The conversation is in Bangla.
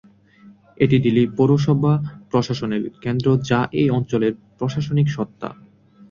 এটি দিলি পৌরসভা প্রশাসনের কেন্দ্র যা এই অঞ্চলের প্রশাসনিক সত্তা।